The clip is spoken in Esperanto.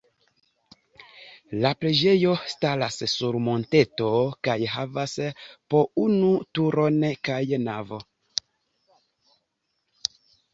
La preĝejo staras sur monteto kaj havas po unu turon kaj navo.